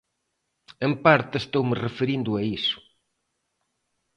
En parte estoume referindo a iso.